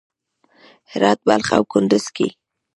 هرات، بلخ او کندز کې